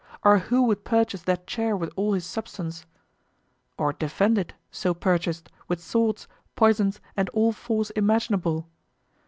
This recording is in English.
or who would purchase that chair with all his substance? or defend it, so purchased, with swords, poisons, and all force imaginable?